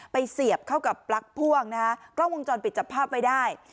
เสียบเข้ากับปลั๊กพ่วงนะฮะกล้องวงจรปิดจับภาพไว้ได้